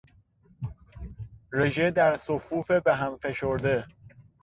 رژه در صفوف به هم فشرده